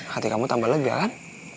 hati kamu tambah lega kan